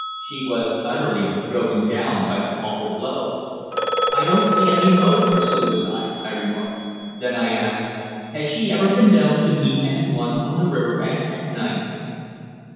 She was utterly broken down by the awful blow." "I don't see any motive for suicide," I remarked. Then I asked, "Has she ever been known to meet anyone on the river bank at night?"